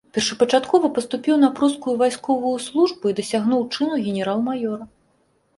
Першапачаткова паступіў на прускую вайсковую службу і дасягнуў чыну генерал-маёра.